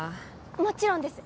もちろんです。